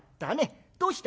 どうした？